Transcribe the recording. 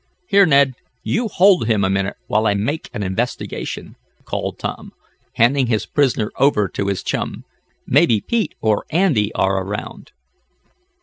"Here, Ned, you hold him a minute, while I make an investigation," called Tom, handing his prisoner over to his chum. "Maybe Pete or Andy are around."